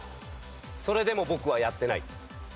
『それでもボクはやってない』。